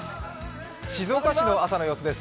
静岡市の朝の様子です。